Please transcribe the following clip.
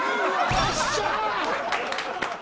よっしゃ！